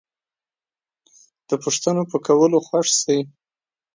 د پوښتنو په کولو خوښ شئ